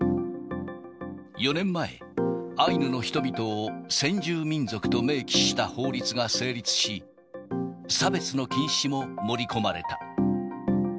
４年前、アイヌの人々を先住民族と明記した法律が成立し、差別の禁止も盛り込まれた。